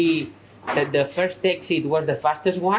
saya pikir masalahnya adalah hujan